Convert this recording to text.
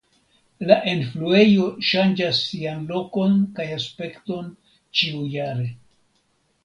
La enfluejo ŝanĝas sian lokon kaj aspekton ĉiujare.